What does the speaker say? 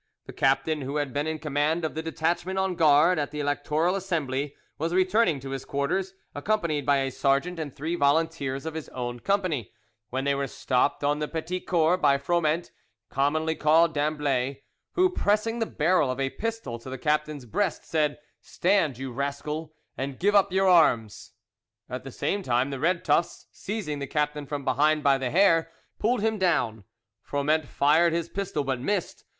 The captain who had been in command of the detachment on guard at the Electoral Assembly was returning to his quarters, accompanied by a sergeant and three volunteers of his own company, when they were stopped on the Petit Cours by Froment, commonly called Damblay, who, pressing the barrel of a pistol to the captain's breast, said, "Stand, you rascal, and give up your arms." At the same time the red tufts, seizing the captain from behind by the hair, pulled him down. Froment fired his pistol, but missed.